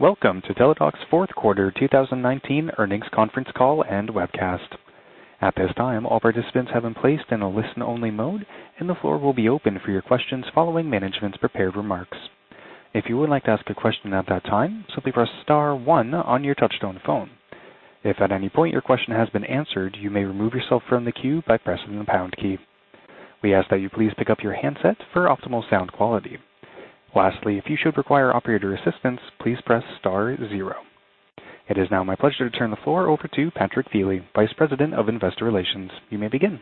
Welcome to Teladoc's fourth quarter 2019 earnings conference call and webcast. At this time, all participants have been placed in a listen-only mode, and the floor will be open for your questions following management's prepared remarks. If you would like to ask a question at that time, simply press star one on your touch-tone phone. If at any point your question has been answered, you may remove yourself from the queue by pressing the pound key. We ask that you please pick up your handset for optimal sound quality. Lastly, if you should require operator assistance, please press star zero. It is now my pleasure to turn the floor over to Patrick Feeley, Vice President of Investor Relations. You may begin.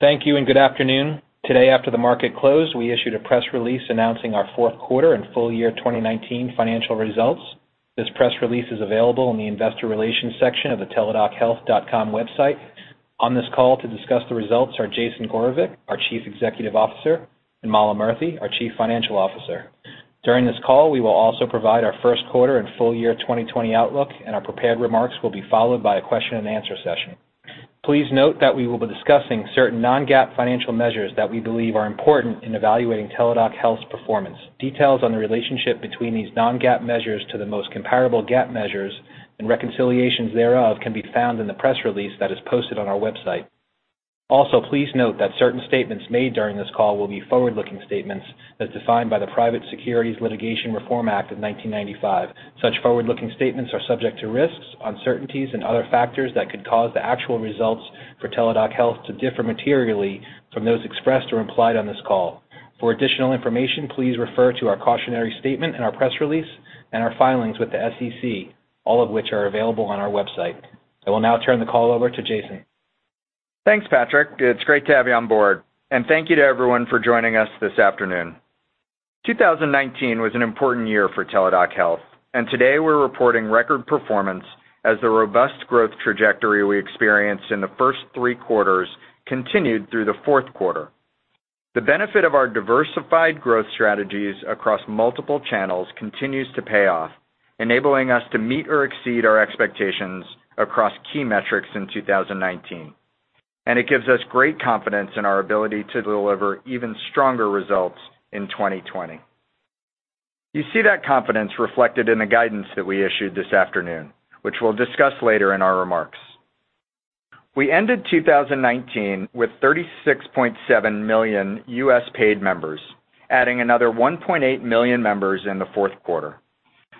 Thank you and good afternoon. Today, after the market closed, we issued a press release announcing our fourth quarter and full year 2019 financial results. This press release is available in the investor relations section of the teladochealth.com website. On this call to discuss the results are Jason Gorevic, our Chief Executive Officer, and Mala Murthy, our Chief Financial Officer. During this call, we will also provide our first quarter and full year 2020 outlook, and our prepared remarks will be followed by a question and answer session. Please note that we will be discussing certain non-GAAP financial measures that we believe are important in evaluating Teladoc Health's performance. Details on the relationship between these non-GAAP measures to the most comparable GAAP measures and reconciliations thereof can be found in the press release that is posted on our website. Also, please note that certain statements made during this call will be forward-looking statements as defined by the Private Securities Litigation Reform Act of 1995. Such forward-looking statements are subject to risks, uncertainties, and other factors that could cause the actual results for Teladoc Health to differ materially from those expressed or implied on this call. For additional information, please refer to our cautionary statement in our press release and our filings with the SEC, all of which are available on our website. I will now turn the call over to Jason. Thanks, Patrick. It's great to have you on board. Thank you to everyone for joining us this afternoon. 2019 was an important year for Teladoc Health, and today we're reporting record performance as the robust growth trajectory we experienced in the first three quarters continued through the fourth quarter. The benefit of our diversified growth strategies across multiple channels continues to pay off, enabling us to meet or exceed our expectations across key metrics in 2019. It gives us great confidence in our ability to deliver even stronger results in 2020. You see that confidence reflected in the guidance that we issued this afternoon, which we'll discuss later in our remarks. We ended 2019 with 36.7 million U.S. paid members, adding another 1.8 million members in the fourth quarter.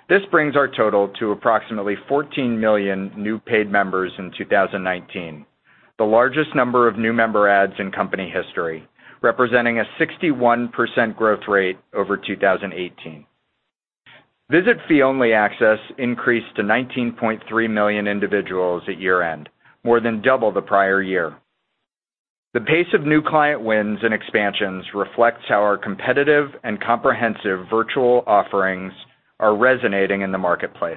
This brings our total to approximately 14 million new paid members in 2019, the largest number of new member adds in company history, representing a 61% growth rate over 2018. Visit fee-only access increased to 19.3 million individuals at year-end, more than double the prior year. The pace of new client wins and expansions reflects how our competitive and comprehensive virtual offerings are resonating in the marketplace.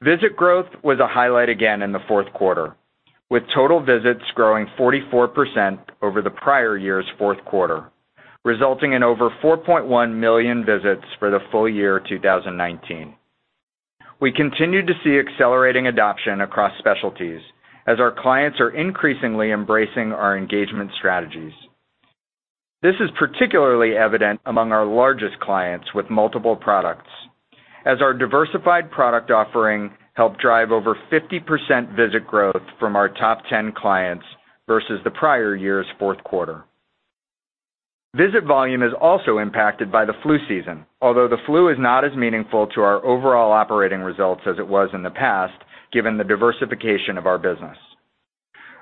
Visit growth was a highlight again in the fourth quarter, with total visits growing 44% over the prior year's fourth quarter, resulting in over 4.1 million visits for the full year 2019. We continued to see accelerating adoption across specialties as our clients are increasingly embracing our engagement strategies. This is particularly evident among our largest clients with multiple products, as our diversified product offering helped drive over 50% visit growth from our top 10 clients versus the prior year's fourth quarter. Visit volume is also impacted by the flu season, although the flu is not as meaningful to our overall operating results as it was in the past, given the diversification of our business.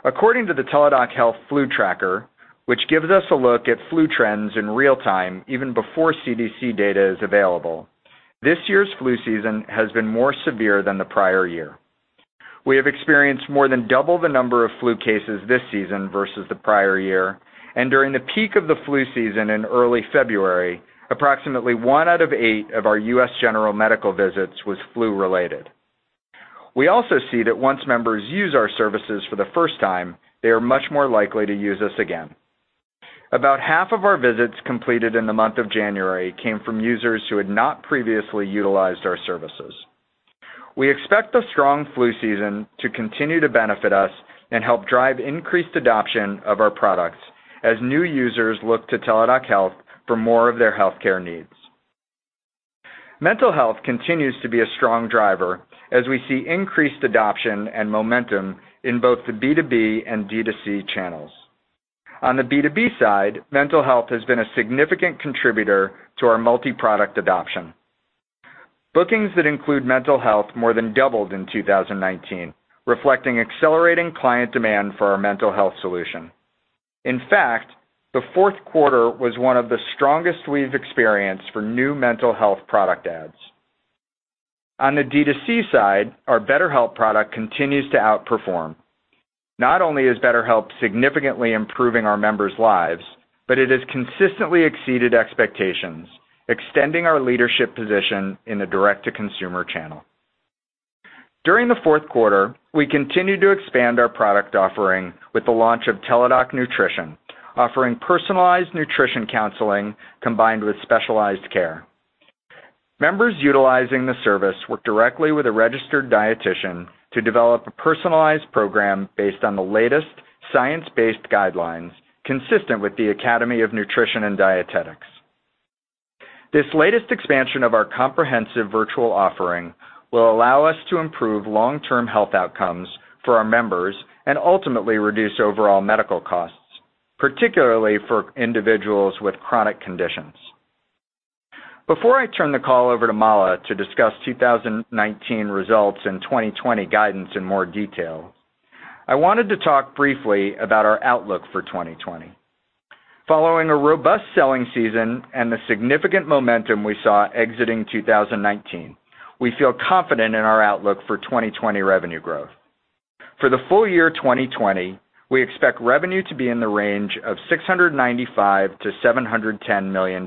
According to the Teladoc Health Flu Tracker, which gives us a look at flu trends in real time even before CDC data is available, this year's flu season has been more severe than the prior year. We have experienced more than double the number of flu cases this season versus the prior year. During the peak of the flu season in early February, approximately one out of eight of our U.S. general medical visits was flu-related. We also see that once members use our services for the first time, they are much more likely to use us again. About half of our visits completed in the month of January came from users who had not previously utilized our services. We expect the strong flu season to continue to benefit us and help drive increased adoption of our products as new users look to Teladoc Health for more of their healthcare needs. Mental health continues to be a strong driver as we see increased adoption and momentum in both the B2B and D2C channels. On the B2B side, mental health has been a significant contributor to our multi-product adoption. Bookings that include mental health more than doubled in 2019, reflecting accelerating client demand for our mental health solution. In fact, the fourth quarter was one of the strongest we've experienced for new mental health product adds. On the D2C side, our BetterHelp product continues to outperform. Not only is BetterHelp significantly improving our members' lives, but it has consistently exceeded expectations, extending our leadership position in the direct-to-consumer channel. During the fourth quarter, we continued to expand our product offering with the launch of Teladoc Nutrition, offering personalized nutrition counseling combined with specialized care. Members utilizing the service work directly with a registered dietitian to develop a personalized program based on the latest science-based guidelines consistent with the Academy of Nutrition and Dietetics. This latest expansion of our comprehensive virtual offering will allow us to improve long-term health outcomes for our members and ultimately reduce overall medical costs, particularly for individuals with chronic conditions. Before I turn the call over to Mala to discuss 2019 results and 2020 guidance in more detail, I wanted to talk briefly about our outlook for 2020. Following a robust selling season and the significant momentum we saw exiting 2019, we feel confident in our outlook for 2020 revenue growth. For the full year 2020, we expect revenue to be in the range of $695 million-$710 million,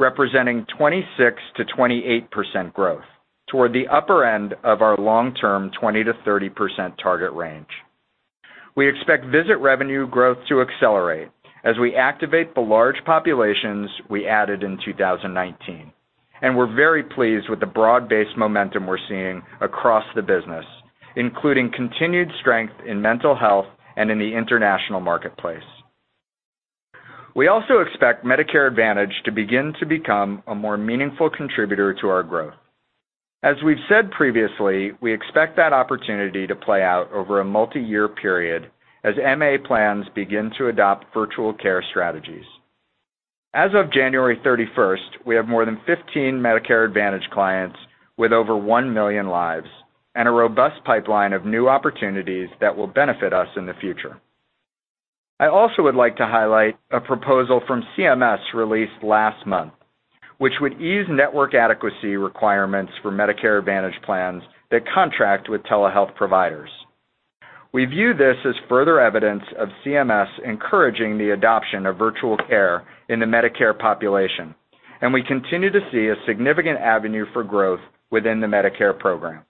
representing 26%-28% growth toward the upper end of our long-term 20%-30% target range. We expect visit revenue growth to accelerate as we activate the large populations we added in 2019, and we're very pleased with the broad-based momentum we're seeing across the business, including continued strength in mental health and in the international marketplace. We also expect Medicare Advantage to begin to become a more meaningful contributor to our growth. As we've said previously, we expect that opportunity to play out over a multi-year period as MA plans begin to adopt virtual care strategies. As of January 31st, we have more than 15 Medicare Advantage clients with over 1 million lives and a robust pipeline of new opportunities that will benefit us in the future. I also would like to highlight a proposal from CMS released last month, which would ease network adequacy requirements for Medicare Advantage plans that contract with telehealth providers. We view this as further evidence of CMS encouraging the adoption of virtual care in the Medicare population, and we continue to see a significant avenue for growth within the Medicare program.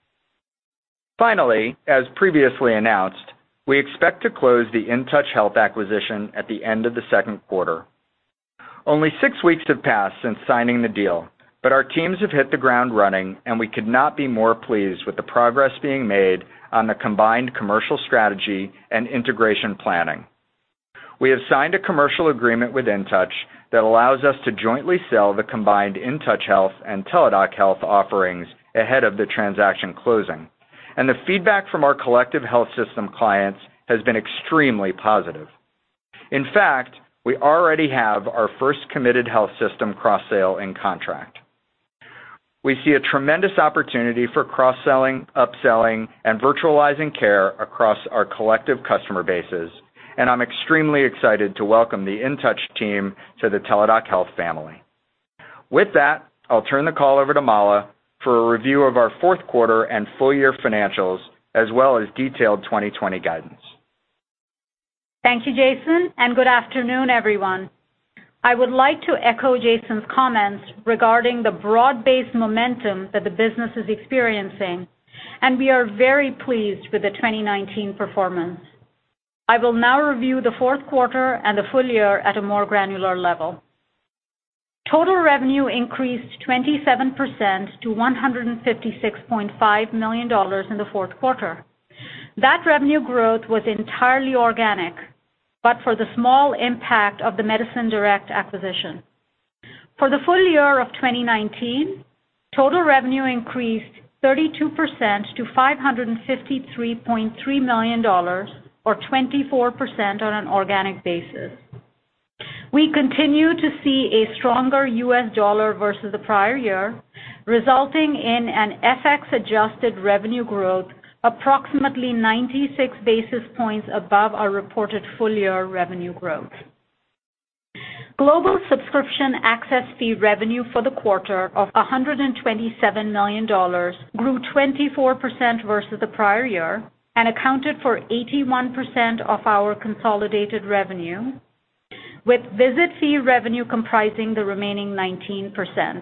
Finally, as previously announced, we expect to close the InTouch Health acquisition at the end of the second quarter. Only six weeks have passed since signing the deal, but our teams have hit the ground running, and we could not be more pleased with the progress being made on the combined commercial strategy and integration planning. We have signed a commercial agreement with InTouch that allows us to jointly sell the combined InTouch Health and Teladoc Health offerings ahead of the transaction closing, and the feedback from our collective health system clients has been extremely positive. In fact, we already have our first committed health system cross-sale in contract. We see a tremendous opportunity for cross-selling, upselling, and virtualizing care across our collective customer bases, and I'm extremely excited to welcome the InTouch team to the Teladoc Health family. With that, I'll turn the call over to Mala for a review of our fourth quarter and full year financials, as well as detailed 2020 guidance. Thank you, Jason, and good afternoon, everyone. I would like to echo Jason's comments regarding the broad-based momentum that the business is experiencing, and we are very pleased with the 2019 performance. I will now review the fourth quarter and the full year at a more granular level. Total revenue increased 27% to $156.5 million in the fourth quarter. That revenue growth was entirely organic, but for the small impact of the MédecinDirect acquisition. For the full year of 2019, total revenue increased 32% to $553.3 million, or 24% on an organic basis. We continue to see a stronger U.S. dollar versus the prior year, resulting in an FX-adjusted revenue growth approximately 96 basis points above our reported full-year revenue growth. Global subscription access fee revenue for the quarter of $127 million grew 24% versus the prior year and accounted for 81% of our consolidated revenue, with visit fee revenue comprising the remaining 19%.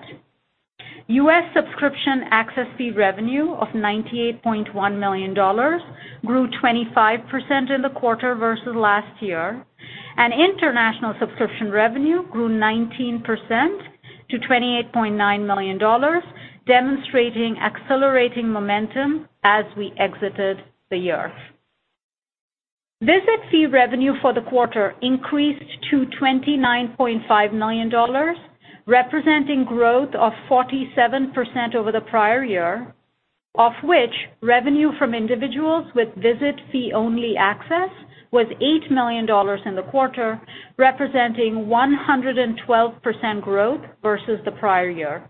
U.S. subscription access fee revenue of $98.1 million grew 25% in the quarter versus last year, and international subscription revenue grew 19% to $28.9 million, demonstrating accelerating momentum as we exited the year. Visit fee revenue for the quarter increased to $29.5 million, representing growth of 47% over the prior year, of which revenue from individuals with visit fee-only access was $8 million in the quarter, representing 112% growth versus the prior year.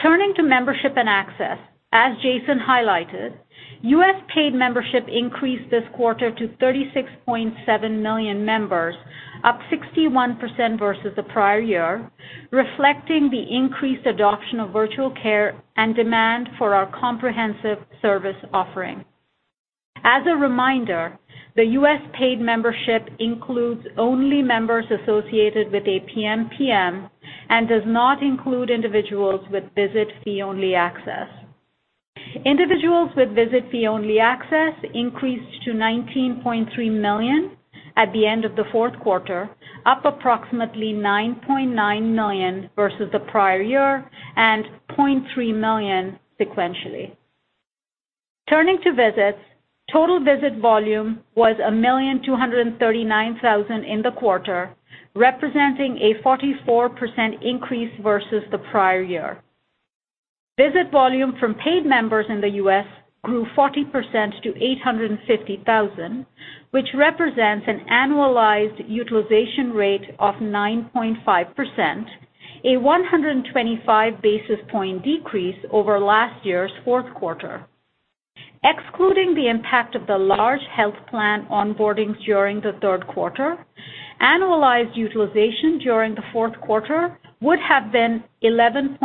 Turning to membership and access, as Jason highlighted, U.S. paid membership increased this quarter to 36.7 million members, up 61% versus the prior year, reflecting the increased adoption of virtual care and demand for our comprehensive service offering. As a reminder, the U.S. paid membership includes only members associated with a PMPM and does not include individuals with visit fee-only access. Individuals with visit fee-only access increased to 19.3 million at the end of the fourth quarter, up approximately 9.9 million versus the prior year, and 0.3 million sequentially. Turning to visits, total visit volume was 1,239,000 in the quarter, representing a 44% increase versus the prior year. Visit volume from paid members in the U.S. grew 40% to 850,000, which represents an annualized utilization rate of 9.5%, a 125 basis point decrease over last year's fourth quarter. Excluding the impact of the large health plan onboardings during the third quarter, annualized utilization during the fourth quarter would have been 11.9%,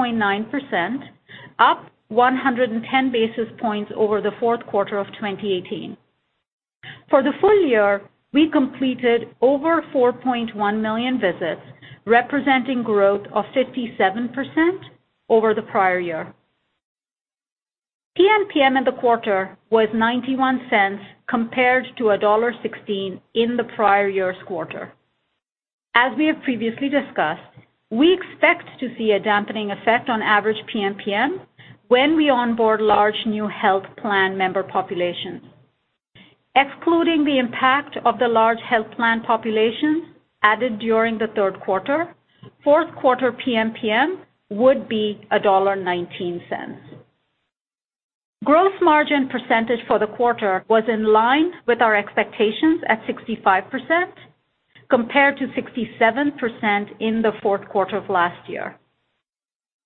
up 110 basis points over the fourth quarter of 2018. For the full year, we completed over 4.1 million visits, representing growth of 57% over the prior year. PMPM in the quarter was $0.91, compared to $1.16 in the prior year's quarter. As we have previously discussed, we expect to see a dampening effect on average PMPM when we onboard large new health plan member populations. Excluding the impact of the large health plan populations added during the third quarter, fourth quarter PMPM would be $1.19. Gross margin percentage for the quarter was in line with our expectations at 65%, compared to 67% in the fourth quarter of last year.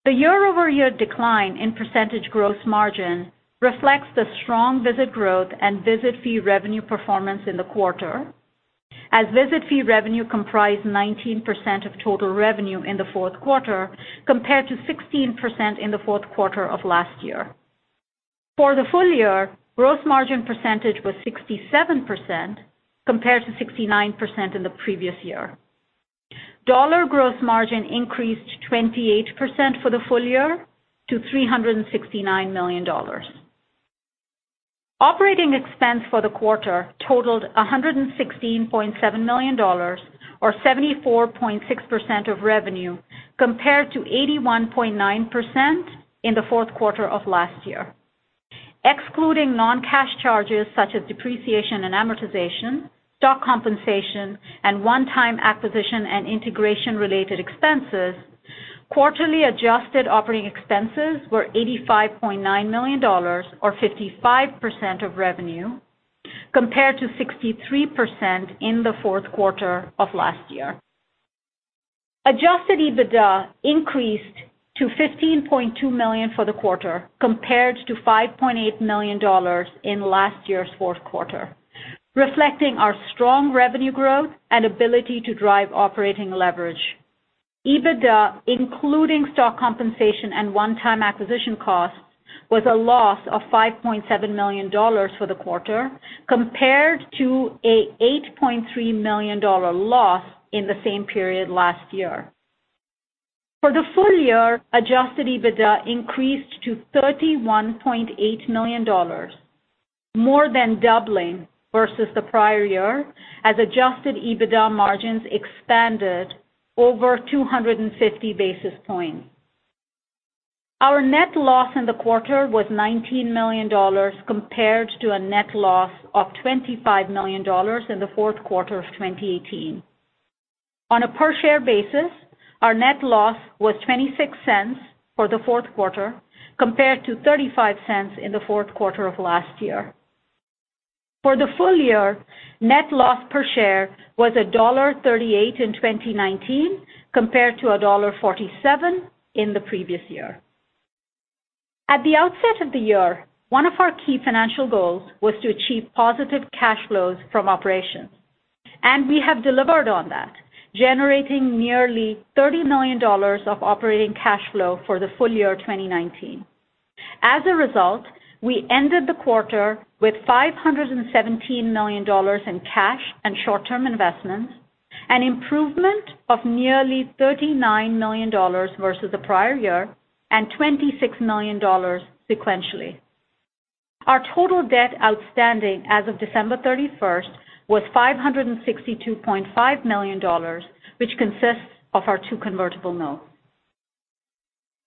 The year-over-year decline in percentage gross margin reflects the strong visit growth and visit fee revenue performance in the quarter, as visit fee revenue comprised 19% of total revenue in the fourth quarter, compared to 16% in the fourth quarter of last year. For the full year, gross margin percentage was 67%, compared to 69% in the previous year. Dollar growth margin increased 28% for the full year to $369 million. Operating expense for the quarter totaled $116.7 million, or 74.6% of revenue, compared to 81.9% in the fourth quarter of last year. Excluding non-cash charges such as depreciation and amortization, stock compensation, and one-time acquisition and integration-related expenses, quarterly adjusted operating expenses were $85.9 million, or 55% of revenue, compared to 63% in the fourth quarter of last year. Adjusted EBITDA increased to $15.2 million for the quarter, compared to $5.8 million in last year's fourth quarter, reflecting our strong revenue growth and ability to drive operating leverage. EBITDA, including stock compensation and one-time acquisition costs, was a loss of $5.7 million for the quarter, compared to a $8.3 million loss in the same period last year. For the full year, adjusted EBITDA increased to $31.8 million, more than doubling versus the prior year, as adjusted EBITDA margins expanded over 250 basis points. Our net loss in the quarter was $19 million compared to a net loss of $25 million in the fourth quarter of 2018. On a per-share basis, our net loss was $0.26 for the fourth quarter, compared to $0.35 in the fourth quarter of last year. For the full year, net loss per share was $1.38 in 2019, compared to $1.47 in the previous year. At the outset of the year, one of our key financial goals was to achieve positive cash flows from operations, and we have delivered on that, generating nearly $30 million of operating cash flow for the full year 2019. As a result, we ended the quarter with $517 million in cash and short-term investments, an improvement of nearly $39 million versus the prior year, and $26 million sequentially. Our total debt outstanding as of December 31st was $562.5 million, which consists of our two convertible notes.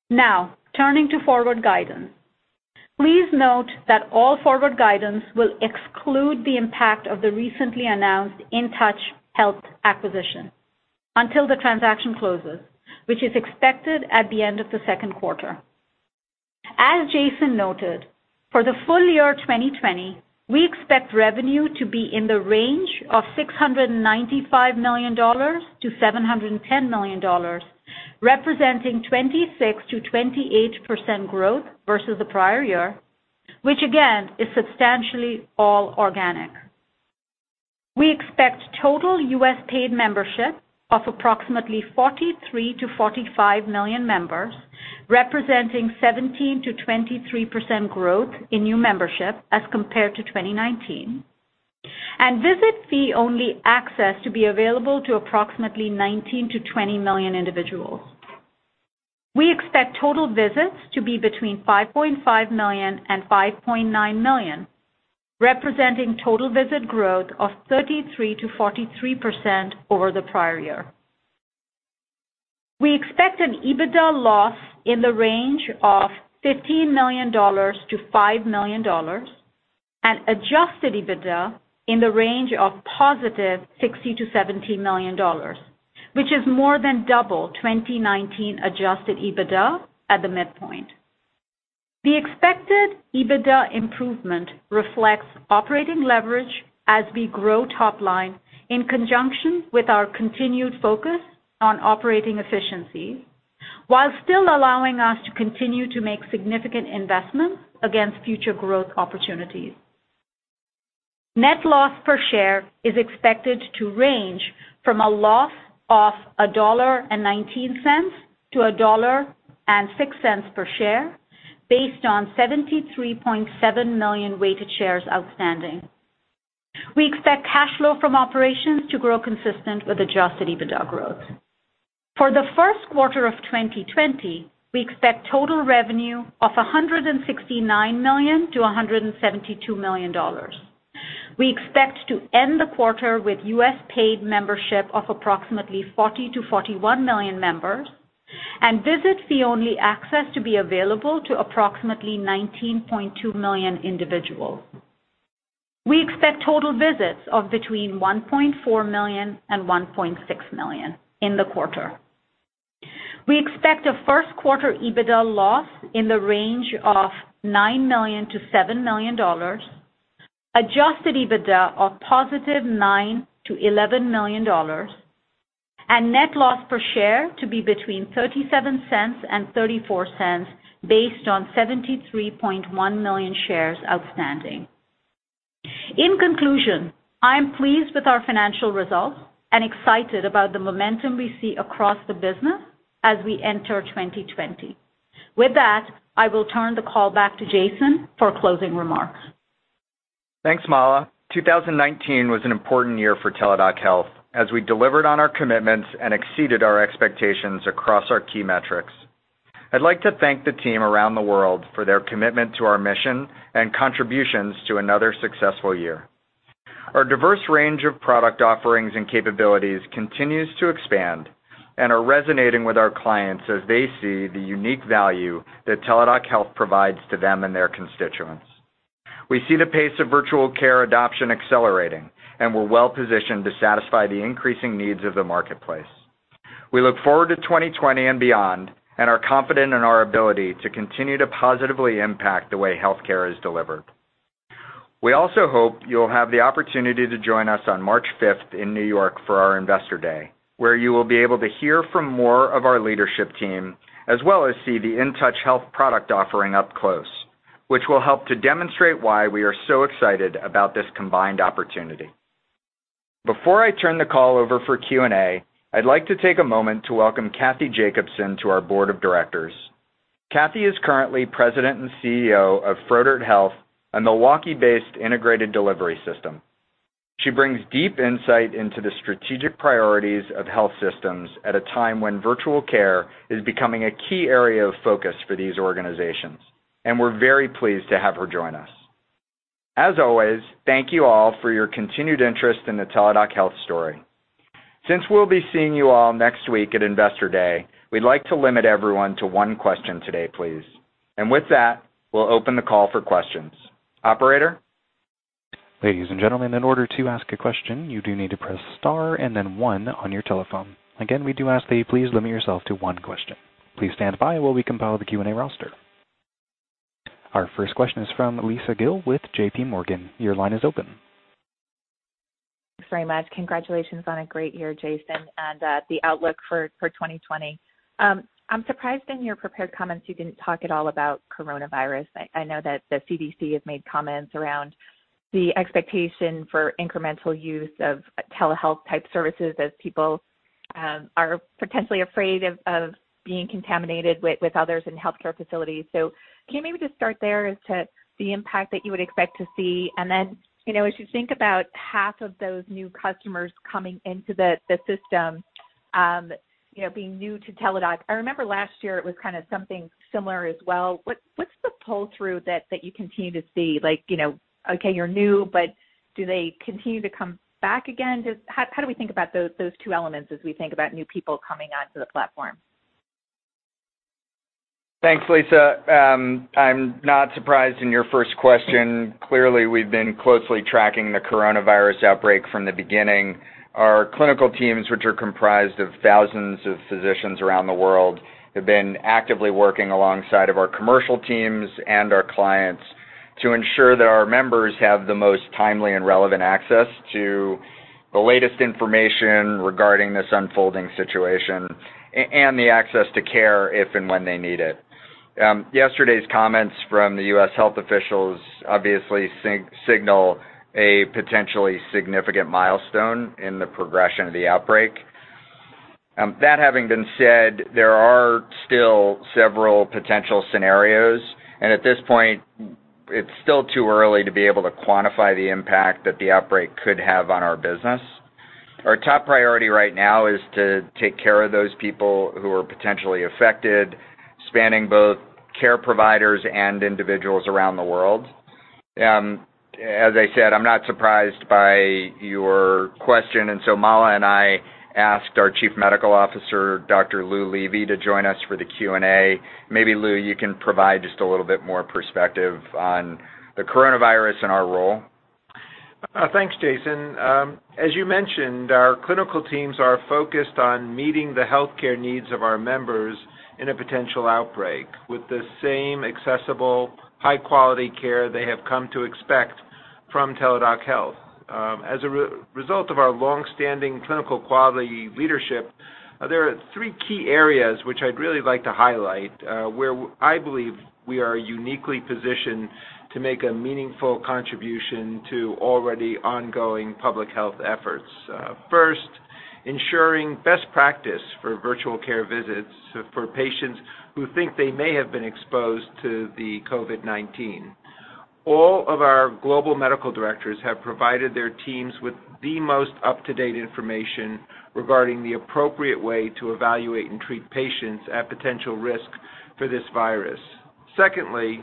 Now, turning to forward guidance. Please note that all forward guidance will exclude the impact of the recently announced InTouch Health acquisition until the transaction closes, which is expected at the end of the second quarter. As Jason noted, for the full year 2020, we expect revenue to be in the range of $695 million-$710 million, representing 26%-28% growth versus the prior year, which again, is substantially all organic. We expect total U.S. paid membership of approximately 43 million-45 million members, representing 17%-23% growth in new membership as compared to 2019. Visit fee-only access to be available to approximately 19 million-20 million individuals. We expect total visits to be between 5.5 million and 5.9 million, representing total visit growth of 33%-43% over the prior year. We expect an EBITDA loss in the range of $15 million-$5 million, and adjusted EBITDA in the range of positive $60 million-$70 million, which is more than double 2019 adjusted EBITDA at the midpoint. The expected EBITDA improvement reflects operating leverage as we grow top line in conjunction with our continued focus on operating efficiency, while still allowing us to continue to make significant investments against future growth opportunities. Net loss per share is expected to range from a loss of $1.19-$1.06 per share based on 73.7 million weighted shares outstanding. We expect cash flow from operations to grow consistent with adjusted EBITDA growth. For the first quarter of 2020, we expect total revenue of $169 million-$172 million. We expect to end the quarter with U.S. paid membership of approximately 40 million-41 million members, and visit fee-only access to be available to approximately 19.2 million individuals. We expect total visits of between 1.4 million and 1.6 million in the quarter. We expect a first quarter EBITDA loss in the range of $9 million-$7 million, adjusted EBITDA of positive $9 million-$11 million, and net loss per share to be between $0.37 and $0.34 based on 73.1 million shares outstanding. In conclusion, I am pleased with our financial results and excited about the momentum we see across the business as we enter 2020. With that, I will turn the call back to Jason for closing remarks. Thanks, Mala. 2019 was an important year for Teladoc Health as we delivered on our commitments and exceeded our expectations across our key metrics. I'd like to thank the team around the world for their commitment to our mission and contributions to another successful year. Our diverse range of product offerings and capabilities continues to expand and are resonating with our clients as they see the unique value that Teladoc Health provides to them and their constituents. We see the pace of virtual care adoption accelerating, and we're well-positioned to satisfy the increasing needs of the marketplace. We look forward to 2020 and beyond and are confident in our ability to continue to positively impact the way healthcare is delivered. We also hope you'll have the opportunity to join us on March 5th in New York for our Investor Day, where you will be able to hear from more of our leadership team, as well as see the InTouch Health product offering up close, which will help to demonstrate why we are so excited about this combined opportunity. Before I turn the call over for Q&A, I'd like to take a moment to welcome Kathy Jacobson to our board of directors. Kathy is currently President and CEO of Froedtert Health, a Milwaukee-based integrated delivery system. She brings deep insight into the strategic priorities of health systems at a time when virtual care is becoming a key area of focus for these organizations, and we're very pleased to have her join us. As always, thank you all for your continued interest in the Teladoc Health story. Since we'll be seeing you all next week at Investor Day, we'd like to limit everyone to one question today, please. With that, we'll open the call for questions. Operator? Ladies and gentlemen, in order to ask a question, you do need to press star and then one on your telephone. Again, we do ask that you please limit yourself to one question. Please stand by while we compile the Q&A roster. Our first question is from Lisa Gill with JPMorgan. Your line is open. Thanks very much. Congratulations on a great year, Jason, and the outlook for 2020. I'm surprised in your prepared comments you didn't talk at all about coronavirus. I know that the CDC has made comments around the expectation for incremental use of telehealth-type services as people are potentially afraid of being contaminated with others in healthcare facilities. Can you maybe just start there as to the impact that you would expect to see? As you think about half of those new customers coming into the system, being new to Teladoc, I remember last year it was kind of something similar as well. What's the pull-through that you continue to see? Like, okay, you're new, do they continue to come back again? How do we think about those two elements as we think about new people coming onto the platform? Thanks, Lisa. I'm not surprised in your first question. Clearly, we've been closely tracking the coronavirus outbreak from the beginning. Our clinical teams, which are comprised of thousands of physicians around the world, have been actively working alongside of our commercial teams and our clients to ensure that our members have the most timely and relevant access to the latest information regarding this unfolding situation and the access to care if and when they need it. Yesterday's comments from the U.S. health officials obviously signal a potentially significant milestone in the progression of the outbreak. That having been said, there are still several potential scenarios. At this point, it's still too early to be able to quantify the impact that the outbreak could have on our business. Our top priority right now is to take care of those people who are potentially affected, spanning both care providers and individuals around the world. As I said, I'm not surprised by your question, and so Mala and I asked our Chief Medical Officer, Dr. Lew Levy, to join us for the Q&A. Maybe, Lew, you can provide just a little bit more perspective on the coronavirus and our role. Thanks, Jason. As you mentioned, our clinical teams are focused on meeting the healthcare needs of our members in a potential outbreak with the same accessible, high-quality care they have come to expect from Teladoc Health. As a result of our long-standing clinical quality leadership, there are three key areas which I'd really like to highlight, where I believe we are uniquely positioned to make a meaningful contribution to already ongoing public health efforts. First, ensuring best practice for virtual care visits for patients who think they may have been exposed to the COVID-19. All of our global medical directors have provided their teams with the most up-to-date information regarding the appropriate way to evaluate and treat patients at potential risk for this virus. Secondly,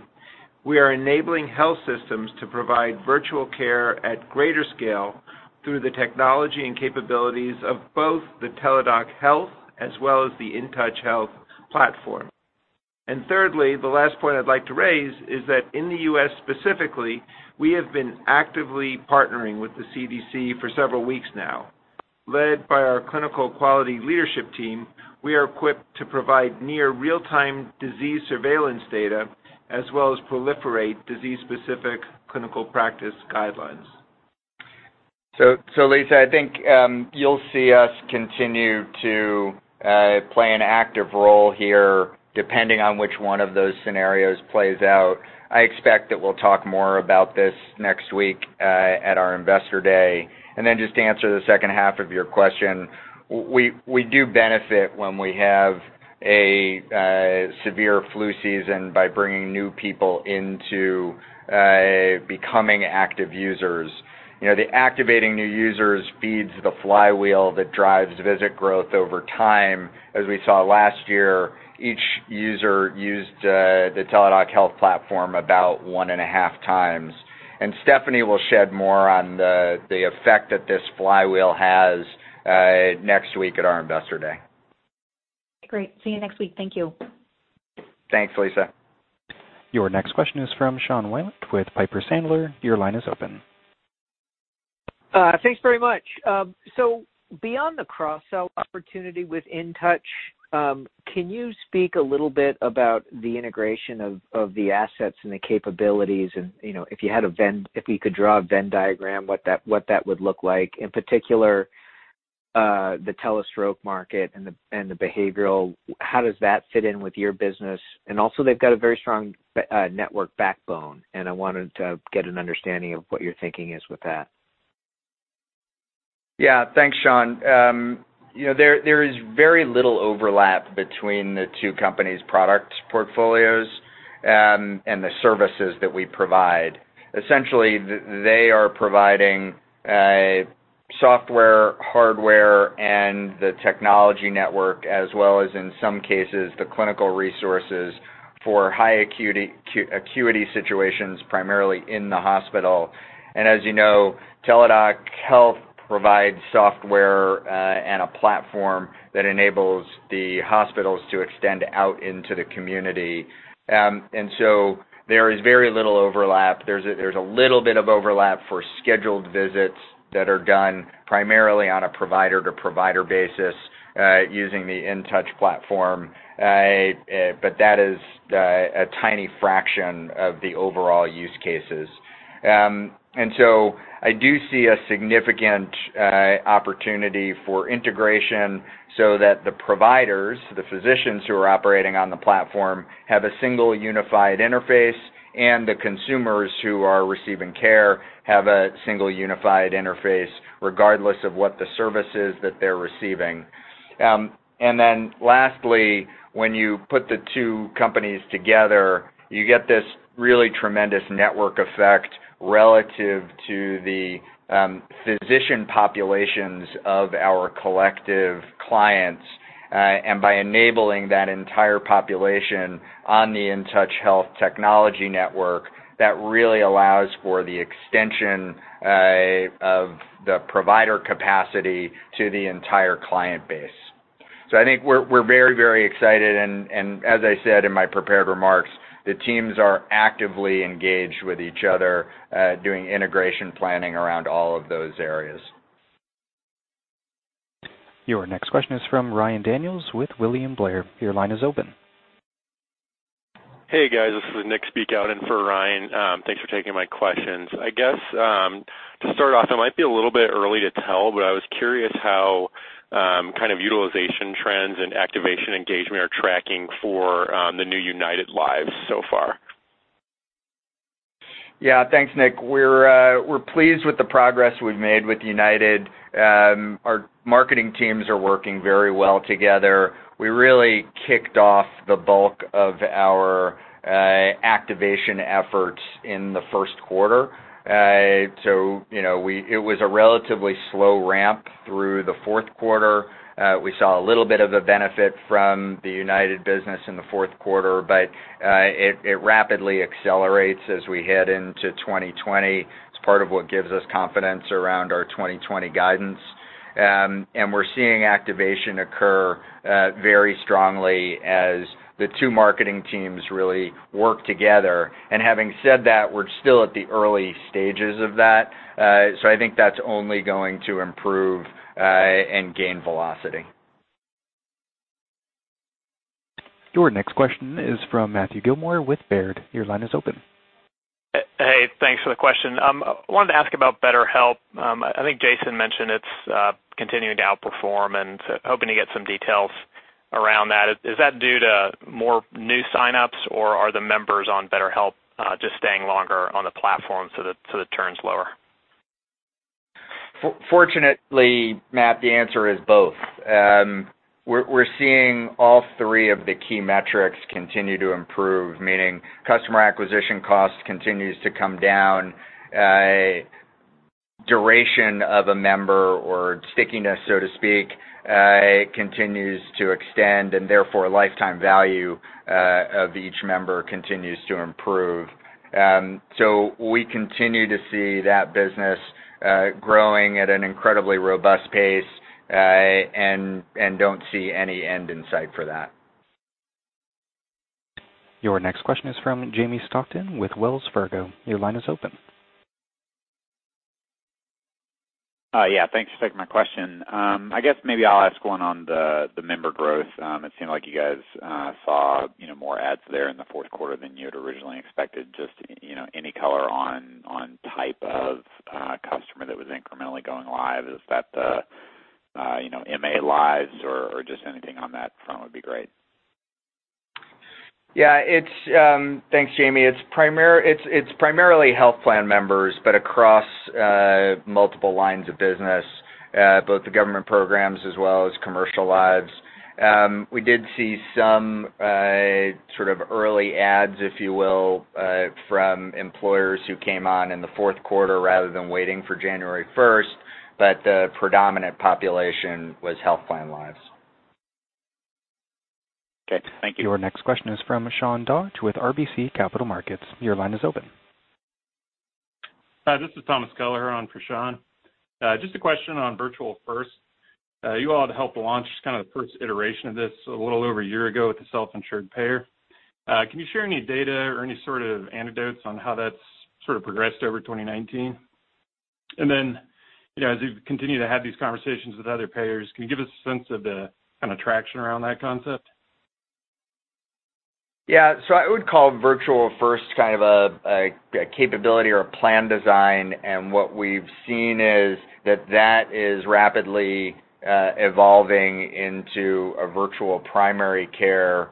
we are enabling health systems to provide virtual care at greater scale through the technology and capabilities of both the Teladoc Health as well as the InTouch Health platform. Thirdly, the last point I'd like to raise is that in the U.S. specifically, we have been actively partnering with the CDC for several weeks now. Led by our clinical quality leadership team, we are equipped to provide near real-time disease surveillance data, as well as proliferate disease-specific clinical practice guidelines. Lisa, I think you'll see us continue to play an active role here, depending on which one of those scenarios plays out. I expect that we'll talk more about this next week at our Investor Day. Just to answer the second half of your question, we do benefit when we have a severe flu season by bringing new people into becoming active users. The activating new users feeds the flywheel that drives visit growth over time. As we saw last year, each user used the Teladoc Health platform about one and a half times. Stephanie will shed more on the effect that this flywheel has next week at our Investor Day. Great. See you next week. Thank you. Thanks, Lisa. Your next question is from Sean Wieland with Piper Sandler. Your line is open. Thanks very much. Beyond the cross-sell opportunity with InTouch, can you speak a little bit about the integration of the assets and the capabilities and, if you could draw a Venn diagram, what that would look like? In particular, the telestroke market and the behavioral, how does that fit in with your business? Also, they've got a very strong network backbone, and I wanted to get an understanding of what your thinking is with that. Yeah. Thanks, Sean. There is very little overlap between the two companies' product portfolios and the services that we provide. Essentially, they are providing software, hardware, and the technology network, as well as in some cases, the clinical resources for high acuity situations, primarily in the hospital. As you know, Teladoc Health provides software and a platform that enables the hospitals to extend out into the community. There is very little overlap. There's a little bit of overlap for scheduled visits that are done primarily on a provider-to-provider basis using the InTouch platform. That is a tiny fraction of the overall use cases. I do see a significant opportunity for integration so that the providers, the physicians who are operating on the platform, have a single unified interface, and the consumers who are receiving care have a single unified interface, regardless of what the service is that they're receiving. Lastly, when you put the two companies together, you get this really tremendous network effect relative to the physician populations of our collective clients. By enabling that entire population on the InTouch Health technology network, that really allows for the extension of the provider capacity to the entire client base. I think we're very excited, and as I said in my prepared remarks, the teams are actively engaged with each other, doing integration planning around all of those areas. Your next question is from Ryan Daniels with William Blair. Your line is open. Hey, guys. This is Nick speaking in for Ryan. Thanks for taking my questions. I guess, to start off, it might be a little bit early to tell, but I was curious how utilization trends and activation engagement are tracking for the new United lives so far. Yeah. Thanks, Nick. We're pleased with the progress we've made with United. Our marketing teams are working very well together. We really kicked off the bulk of our activation efforts in the first quarter. It was a relatively slow ramp through the fourth quarter. We saw a little bit of a benefit from the United business in the fourth quarter, but it rapidly accelerates as we head into 2020. It's part of what gives us confidence around our 2020 guidance. We're seeing activation occur very strongly as the two marketing teams really work together. Having said that, we're still at the early stages of that. I think that's only going to improve, and gain velocity. Your next question is from Matthew Gillmor with Baird. Your line is open. Hey, thanks for the question. I wanted to ask about BetterHelp. I think Jason mentioned it's continuing to outperform and hoping to get some details around that. Is that due to more new sign-ups, or are the members on BetterHelp, just staying longer on the platform, so the turn's lower? Fortunately, Matt, the answer is both. We're seeing all three of the key metrics continue to improve, meaning customer acquisition cost continues to come down. Duration of a member or stickiness, so to speak, continues to extend, and therefore, lifetime value of each member continues to improve. We continue to see that business growing at an incredibly robust pace, and don't see any end in sight for that. Your next question is from Jamie Stockton with Wells Fargo. Your line is open. Yeah. Thanks for taking my question. I guess maybe I'll ask one on the member growth. It seemed like you guys saw more adds there in the fourth quarter than you had originally expected. Just any color on type of customer that was incrementally going live, is that the MA lives or just anything on that front would be great? Yeah. Thanks, Jamie. It's primarily health plan members, but across multiple lines of business, both the government programs as well as commercial lives. We did see some sort of early adds, if you will, from employers who came on in the fourth quarter rather than waiting for January 1st, but the predominant population was health plan lives. Okay. Thank you. Your next question is from Sean Dodge with RBC Capital Markets. Your line is open. Hi, this is Thomas Keller on for Sean. A question on virtual first. You all had helped launch kind of the first iteration of this a little over a year ago with the self-insured payer. Can you share any data or any sort of anecdotes on how that's sort of progressed over 2019? As you continue to have these conversations with other payers, can you give us a sense of the kind of traction around that concept? Yeah. I would call virtual first kind of a capability or a plan design, and what we've seen is that that is rapidly evolving into a virtual primary care,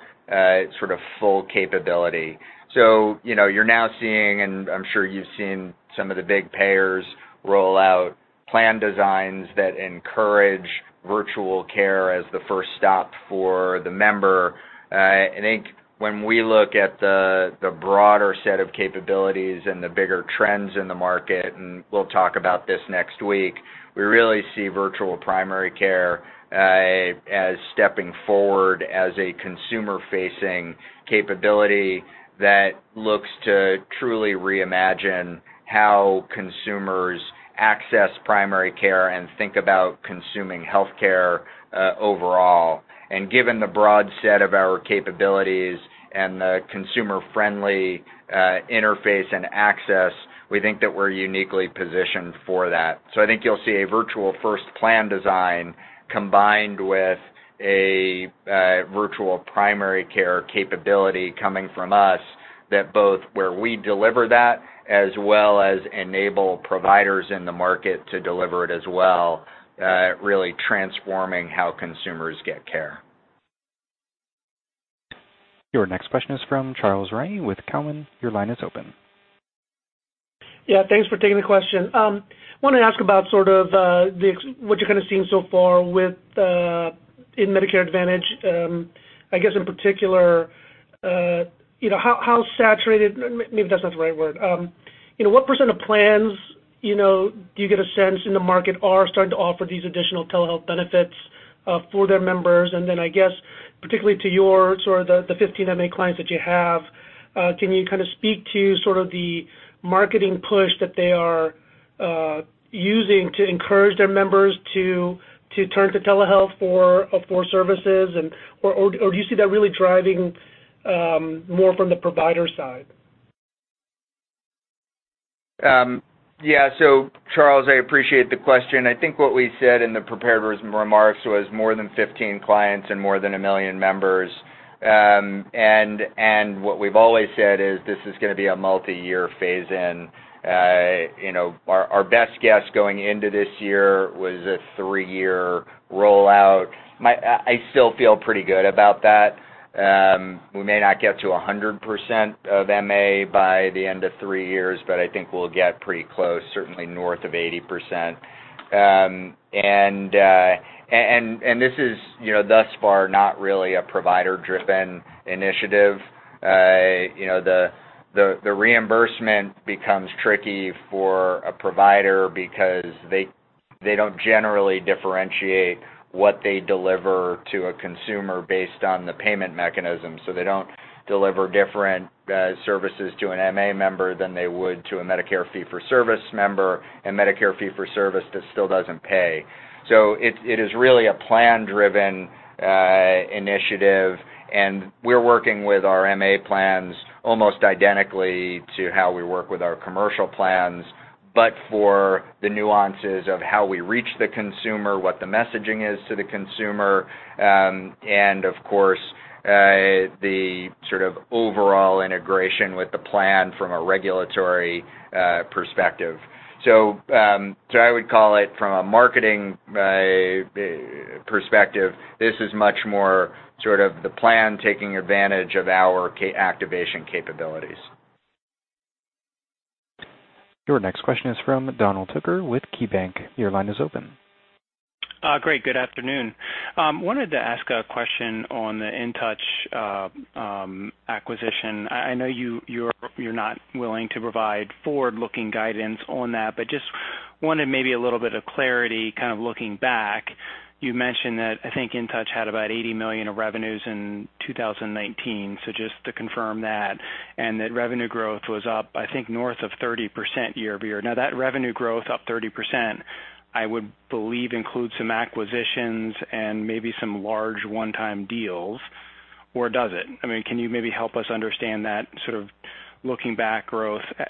sort of full capability. You're now seeing, and I'm sure you've seen some of the big payers roll out plan designs that encourage virtual care as the first stop for the member. I think when we look at the broader set of capabilities and the bigger trends in the market, and we'll talk about this next week, we really see virtual primary care as stepping forward as a consumer-facing capability that looks to truly reimagine how consumers access primary care and think about consuming healthcare, overall. Given the broad set of our capabilities and the consumer-friendly interface and access, we think that we're uniquely positioned for that. I think you'll see a virtual first plan design combined with a virtual primary care capability coming from us that both where we deliver that, as well as enable providers in the market to deliver it as well, really transforming how consumers get care. Your next question is from Charles Rhyee with Cowen. Your line is open. Yeah, thanks for taking the question. I want to ask about sort of what you're kind of seeing so far in Medicare Advantage. I guess in particular, how saturated, maybe that's not the right word. What percent of plans, do you get a sense in the market are starting to offer these additional telehealth benefits for their members? I guess, particularly to your sort of the 15 MA clients that you have, can you kind of speak to sort of the marketing push that they are using to encourage their members to turn to telehealth for services and, or do you see that really driving more from the provider side? Yeah. Charles, I appreciate the question. I think what we said in the prepared remarks was more than 15 clients and more than 1 million members. What we've always said is this is going to be a multi-year phase in. Our best guess going into this year was a three-year rollout. I still feel pretty good about that. We may not get to 100% of MA by the end of three years, but I think we'll get pretty close, certainly north of 80%. This is thus far not really a provider-driven initiative. The reimbursement becomes tricky for a provider because they don't generally differentiate what they deliver to a consumer based on the payment mechanism. They don't deliver different services to an MA member than they would to a Medicare fee-for-service member, and Medicare fee for service that still doesn't pay. It is really a plan-driven initiative, and we're working with our MA plans almost identically to how we work with our commercial plans, but for the nuances of how we reach the consumer, what the messaging is to the consumer, and of course, the sort of overall integration with the plan from a regulatory perspective. I would call it from a marketing perspective, this is much more sort of the plan taking advantage of our activation capabilities. Your next question is from Donald Hooker with KeyBanc. Your line is open. Great. Good afternoon. Wanted to ask a question on the InTouch acquisition. I know you're not willing to provide forward-looking guidance on that, just wanted maybe a little bit of clarity kind of looking back. You mentioned that, I think InTouch had about $80 million of revenues in 2019, just to confirm that, and that revenue growth was up, I think, north of 30% year-over-year. That revenue growth up 30%, I would believe, includes some acquisitions and maybe some large one-time deals, or does it? Can you maybe help us understand that sort of looking back growth at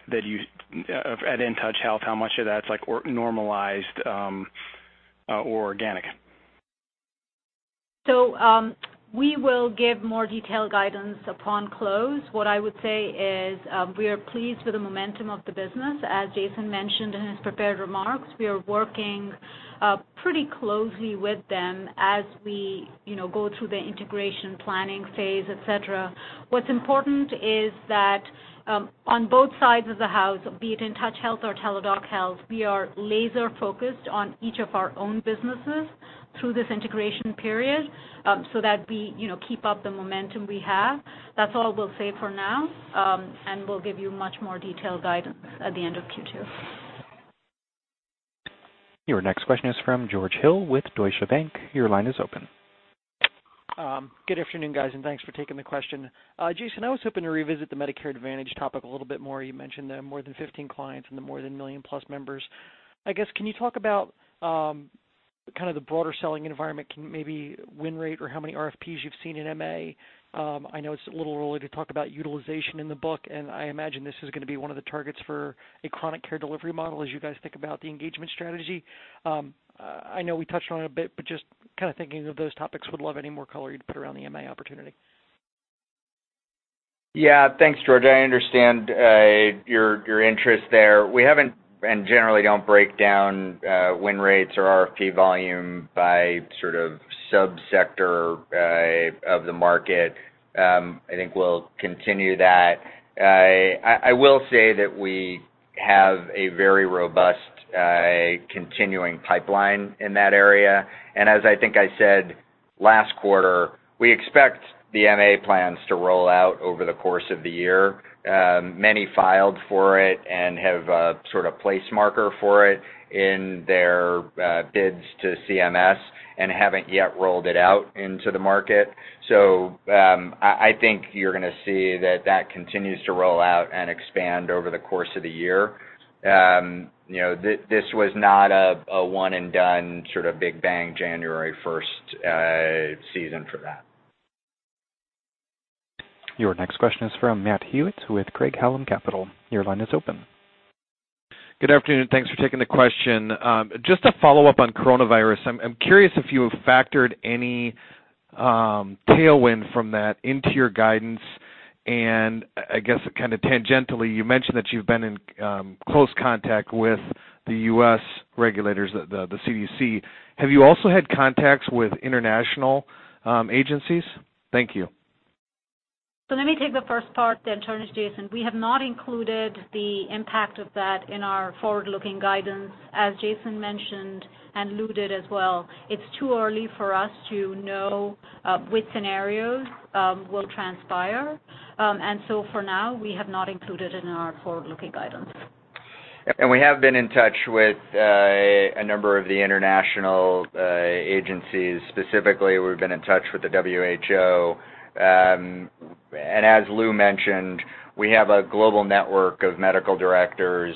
InTouch Health? How much of that's normalized or organic? We will give more detailed guidance upon close. What I would say is we are pleased with the momentum of the business. As Jason mentioned in his prepared remarks, we are working pretty closely with them as we go through the integration planning phase, et cetera. What's important is that on both sides of the house, be it InTouch Health or Teladoc Health, we are laser-focused on each of our own businesses through this integration period so that we keep up the momentum we have. That's all we'll say for now. We'll give you much more detailed guidance at the end of Q2. Your next question is from George Hill with Deutsche Bank. Your line is open. Good afternoon, guys, and thanks for taking the question. Jason, I was hoping to revisit the Medicare Advantage topic a little bit more. You mentioned the more than 15 clients and the more than 1 million+ members. I guess, can you talk about kind of the broader selling environment, maybe win rate or how many RFPs you've seen in MA? I know it's a little early to talk about utilization in the book, and I imagine this is going to be one of the targets for a chronic care delivery model as you guys think about the engagement strategy. I know we touched on it a bit, but just kind of thinking of those topics, would love any more color you'd put around the MA opportunity. Thanks, George. I understand your interest there. We haven't and generally don't break down win rates or RFP volume by sort of sub-sector of the market. I think we'll continue that. I will say that we have a very robust continuing pipeline in that area. As I think I said last quarter, we expect the MA plans to roll out over the course of the year. Many filed for it and have a sort of place marker for it in their bids to CMS and haven't yet rolled it out into the market. I think you're going to see that continues to roll out and expand over the course of the year. This was not a one and done sort of big bang January 1st season for that. Your next question is from Matt Hewitt with Craig-Hallum Capital. Your line is open. Good afternoon. Thanks for taking the question. Just a follow-up on coronavirus. I'm curious if you have factored any tailwind from that into your guidance. I guess kind of tangentially, you mentioned that you've been in close contact with the U.S. regulators, the CDC. Have you also had contacts with international agencies? Thank you. Let me take the first part, then turn to Jason. We have not included the impact of that in our forward-looking guidance. As Jason mentioned and alluded as well, it is too early for us to know which scenarios will transpire. For now, we have not included in our forward-looking guidance. We have been in touch with a number of the international agencies. Specifically, we've been in touch with the WHO. As Lew mentioned, we have a global network of medical directors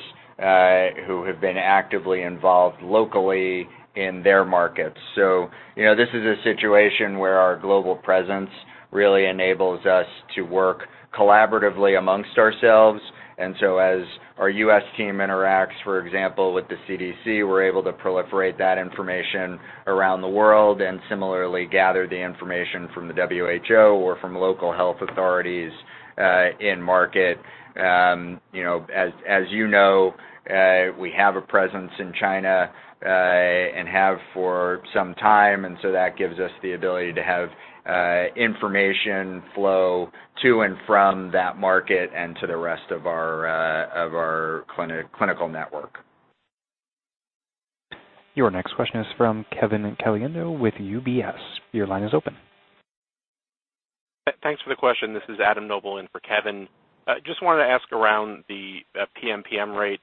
who have been actively involved locally in their markets. This is a situation where our global presence really enables us to work collaboratively amongst ourselves, and so as our U.S. team interacts, for example, with the CDC, we're able to proliferate that information around the world, and similarly, gather the information from the WHO or from local health authorities in market. As you know, we have a presence in China, and have for some time. That gives us the ability to have information flow to and from that market and to the rest of our clinical network. Your next question is from Kevin Caliendo with UBS. Your line is open. Thanks for the question. This is Adam Noble in for Kevin. Just wanted to ask around the PMPM rate.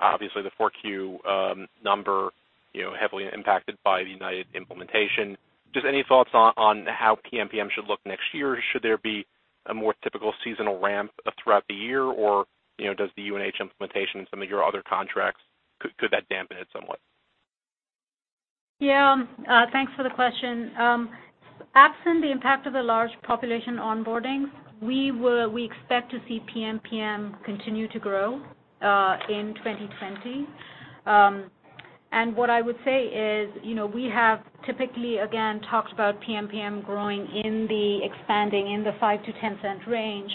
Obviously, the Q4 number heavily impacted by the United implementation. Just any thoughts on how PMPM should look next year? Should there be a more typical seasonal ramp throughout the year, or does the UNH implementation and some of your other contracts dampen it somewhat? Yeah. Thanks for the question. Absent the impact of the large population onboardings, we expect to see PMPM continue to grow, in 2020. What I would say is, we have typically, again, talked about PMPM expanding in the $0.05-$0.10 range.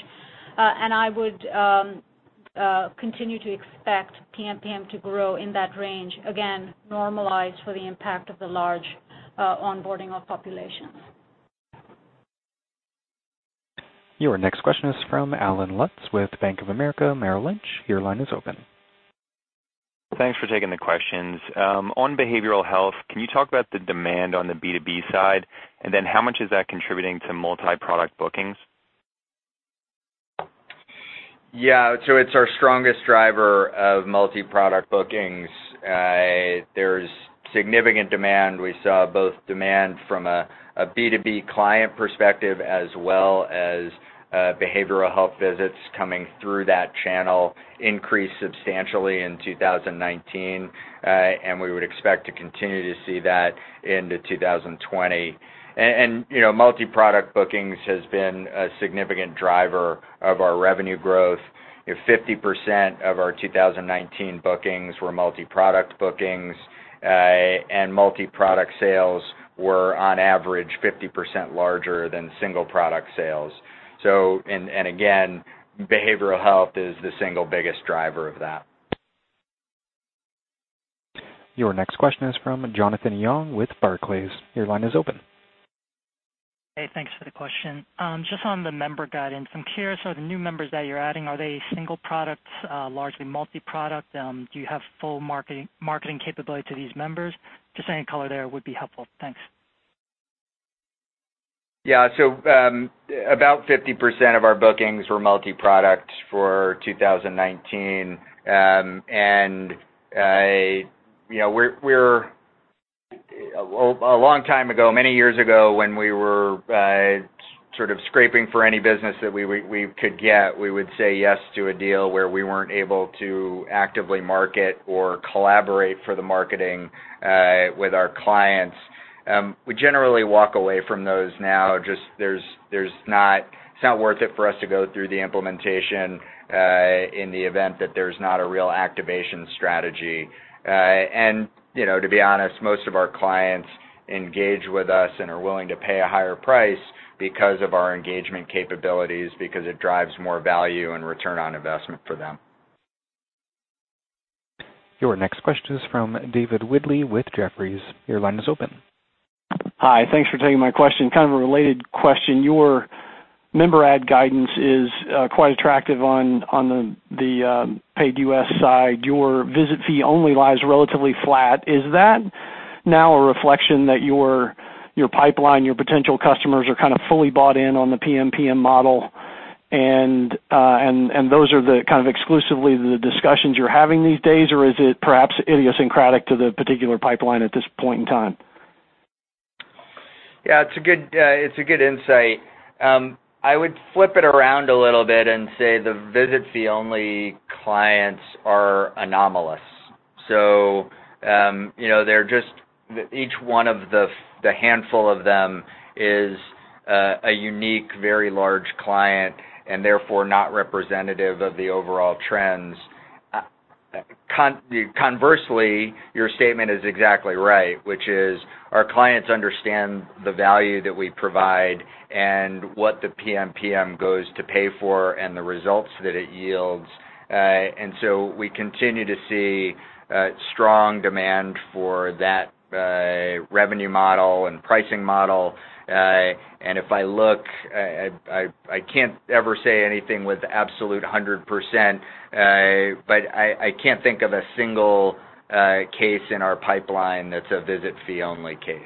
I would continue to expect PMPM to grow in that range, again, normalized for the impact of the large onboarding of populations. Your next question is from Allen Lutz with Bank of America Merrill Lynch. Your line is open. Thanks for taking the questions. On behavioral health, can you talk about the demand on the B2B side, and then how much is that contributing to multi-product bookings? Yeah. It's our strongest driver of multi-product bookings. There's significant demand. We saw both demand from a B2B client perspective as well as behavioral health visits coming through that channel increase substantially in 2019. We would expect to continue to see that into 2020. Multi-product bookings has been a significant driver of our revenue growth. 50% of our 2019 bookings were multi-product bookings, and multi-product sales were on average 50% larger than single product sales. Again, behavioral health is the single biggest driver of that. Your next question is from Jonathan Yong with Barclays. Your line is open. Hey, thanks for the question. Just on the member guidance. I'm curious how the new members that you're adding, are they single product, largely multi-product? Do you have full marketing capability to these members? Just any color there would be helpful. Thanks. Yeah. About 50% of our bookings were multi-product for 2019. A long time ago, many years ago, when we were sort of scraping for any business that we could get, we would say yes to a deal where we weren't able to actively market or collaborate for the marketing, with our clients. We generally walk away from those now. It's not worth it for us to go through the implementation, in the event that there's not a real activation strategy. To be honest, most of our clients engage with us and are willing to pay a higher price because of our engagement capabilities, because it drives more value and return on investment for them. Your next question is from David Windley with Jefferies. Your line is open. Hi. Thanks for taking my question. Kind of a related question. Your member add guidance is quite attractive on the paid U.S. side. Your visit fee only lies relatively flat. Is that now a reflection that your pipeline, your potential customers are kind of fully bought in on the PMPM model and those are the kind of exclusively the discussions you're having these days, or is it perhaps idiosyncratic to the particular pipeline at this point in time? It's a good insight. I would flip it around a little bit and say the visit fee only clients are anomalous. Each one of the handful of them is a unique, very large client, and therefore not representative of the overall trends. Conversely, your statement is exactly right, which is our clients understand the value that we provide and what the PMPM goes to pay for and the results that it yields. We continue to see strong demand for that revenue model and pricing model. If I look, I can't ever say anything with absolute 100%, but I can't think of a single case in our pipeline that's a visit fee only case.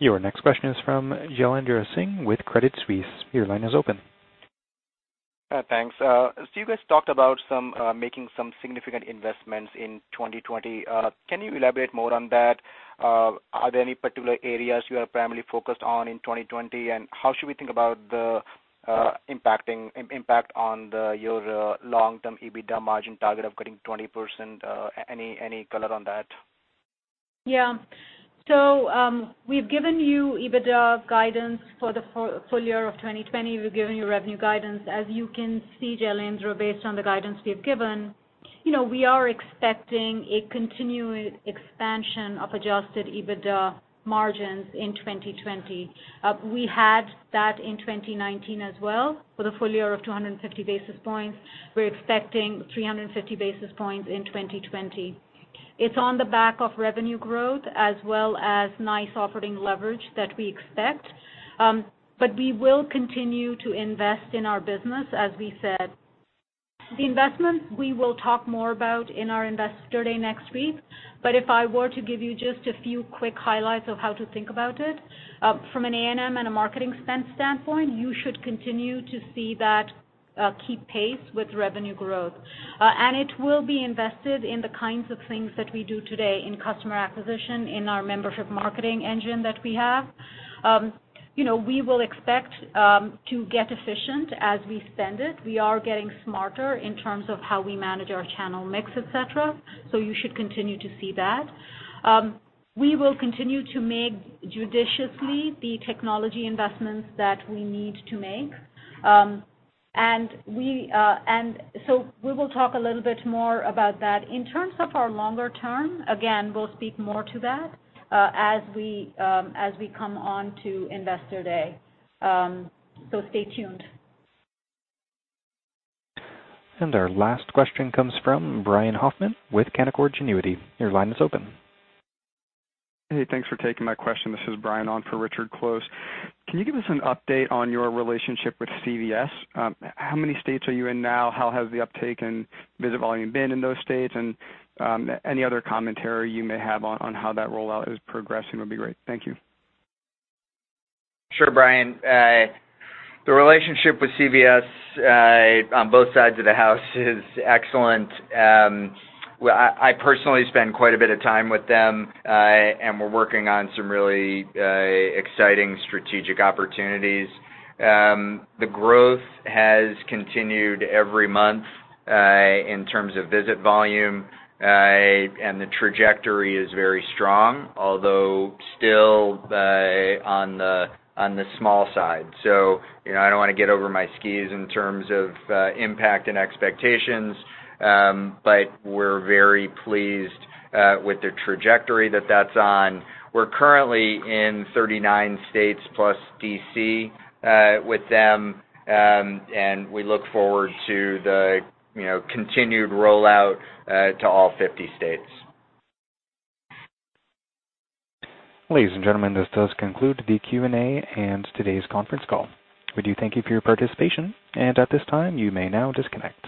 Your next question is from Jailendra Singh with Credit Suisse. Your line is open. Thanks. You guys talked about making some significant investments in 2020. Can you elaborate more on that? Are there any particular areas you are primarily focused on in 2020? How should we think about the impact on your long-term EBITDA margin target of getting 20%? Any color on that? Yeah. We've given you EBITDA guidance for the full year of 2020. We've given you revenue guidance. As you can see, Jailendra, based on the guidance we've given, we are expecting a continued expansion of adjusted EBITDA margins in 2020. We had that in 2019 as well, with a full year of 250 basis points. We're expecting 350 basis points in 2020. It's on the back of revenue growth, as well as nice operating leverage that we expect. We will continue to invest in our business, as we said. The investments, we will talk more about in our Investor Day next week, but if I were to give you just a few quick highlights of how to think about it, from an A&M and a marketing spend standpoint, you should continue to see that keep pace with revenue growth. It will be invested in the kinds of things that we do today in customer acquisition, in our membership marketing engine that we have. We will expect to get efficient as we spend it. We are getting smarter in terms of how we manage our channel mix, et cetera, so you should continue to see that. We will continue to make, judiciously, the technology investments that we need to make. We will talk a little bit more about that. In terms of our longer term, again, we'll speak more to that as we come on to Investor Day. Stay tuned. Our last question comes from Brian Hoffman with Canaccord Genuity. Your line is open. Hey, thanks for taking my question. This is Brian on for Richard Close. Can you give us an update on your relationship with CVS? How many states are you in now? How has the uptake and visit volume been in those states? Any other commentary you may have on how that rollout is progressing would be great. Thank you. Sure, Brian. The relationship with CVS on both sides of the house is excellent. I personally spend quite a bit of time with them, and we're working on some really exciting strategic opportunities. The growth has continued every month, in terms of visit volume, and the trajectory is very strong, although still on the small side. I don't want to get over my skis in terms of impact and expectations, but we're very pleased with the trajectory that that's on. We're currently in 39 states plus D.C. with them, and we look forward to the continued rollout to all 50 states. Ladies and gentlemen, this does conclude the Q&A and today's conference call. We do thank you for your participation and at this time, you may now disconnect.